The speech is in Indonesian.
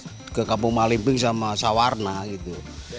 mau dijual banyak ke kampung malimpik sama sawarna gitu